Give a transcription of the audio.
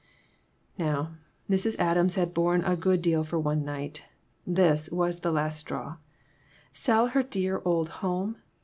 Now, Mrs. Adams had borne a good deal for one night. This was the last straw. Sell her dear old home!